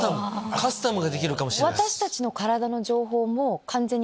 カスタムができるかもしれない。